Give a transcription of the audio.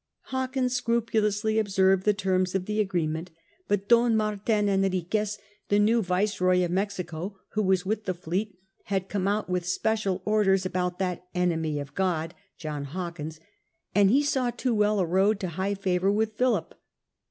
Hawkins scrupulously observed the terms of the agreement^ but Don Martin Enriquez, the new Viceroy of Mexico, who was with the fleet, had come out with special orders about that "enemy of God," John Hawkins, and he saw too well a road to high favour with Philip.